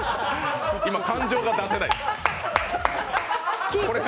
今、感情が出せない。